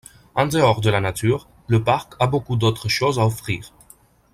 En dehors de la nature, le parc a beaucoup d'autres choses à offrir.